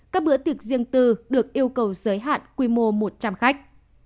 các bữa tiệc riêng tư được yêu cầu giới hạn quy mô một trăm linh khách